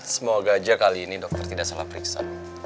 semoga aja kali ini dokter tidak salah periksa